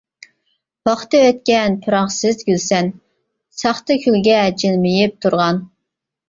ۋاقتى ئۆتكەن پۇراقسىز گۈلسەن، ساختا كۈلگە جىلمىيىپ تۇرغان.